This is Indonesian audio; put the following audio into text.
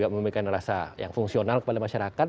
memberikan rasa yang fungsional kepada masyarakat